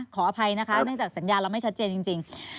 ขออภัยนะคะเนื่องจากสัญญาเราไม่ชัดเจนจริง